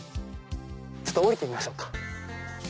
ちょっと下りてみましょうか。